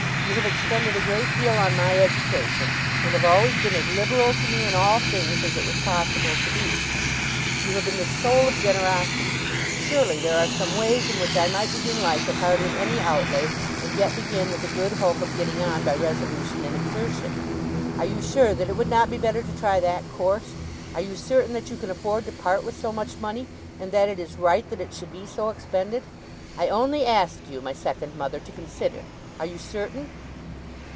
You have expended a great deal on my education, and have always been as liberal to me in all things as it was possible to be. You have been the soul of generosity. Surely there are some ways in which I might begin life with hardly any outlay, and yet begin with a good hope of getting on by resolution and exertion. Are you sure that it would not be better to try that course? Are you certain that you can afford to part with so much money, and that it is right that it should be so expended? I only ask you, my second mother, to consider. Are you certain?